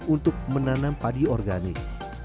untuk menanam padi organik